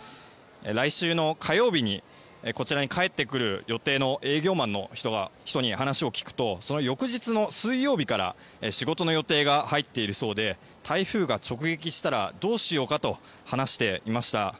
来週の火曜日にこちらに帰ってくる予定の営業マンの人に話を聞くとその翌日の水曜日から仕事の予定が入っているそうで台風が直撃したらどうしようかと話していました。